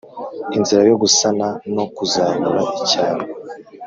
inzira yo gusana no kuzahura icyaro.